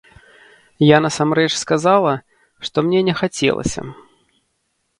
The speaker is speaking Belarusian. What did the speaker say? Я насамрэч сказала, што мне не хацелася.